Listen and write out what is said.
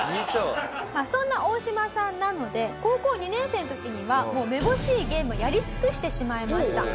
そんなオオシマさんなので高校２年生の時にはもうめぼしいゲームはやり尽くしてしまいました。